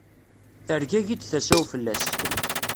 Tergagi-d tasa-w fell-as.